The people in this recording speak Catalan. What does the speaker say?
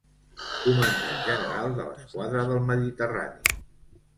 Comandant general de l'esquadra del Mediterrani.